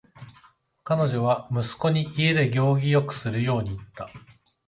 彼女は息子に家で行儀よくするように言った。